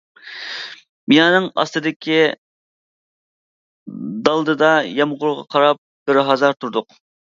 بىنانىڭ ئاستىدىكى دالدىدا يامغۇرغا قاراپ بىر ھازا تۇردۇق.